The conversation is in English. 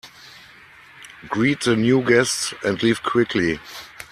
Greet the new guests and leave quickly.